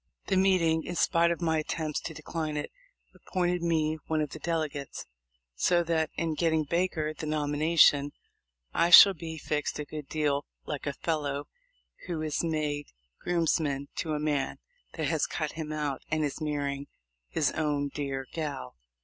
The meeting, in spite of my attempt to decline it, appointed me one of the delegates; so that in getting Baker the nomination I shall be fixed a good deal like a fellow who is made grooms man to a man that has cut him out, and is marrying his own dear gal."